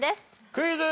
クイズ。